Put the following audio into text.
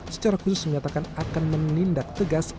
secara khusus menyatakan akan menindak tegas